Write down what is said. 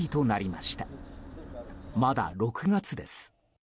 まだ６月です。